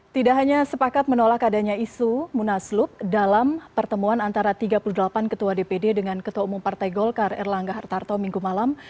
tidak hanya sepakat menolak adanya isu munaslup dalam pertemuan antara tiga puluh delapan ketua dpd dengan ketua umum partai golkar erlangga hartarto minggu malam